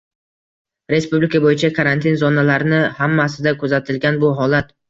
Respublika boʻyicha karantin zonalarini hammasida kuzatilgan bu holat